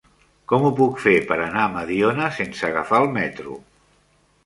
Com ho puc fer per anar a Mediona sense agafar el metro?